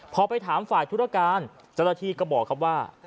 พอไปถามฝ่ายธุรการจรฐธีก็บอกครับว่า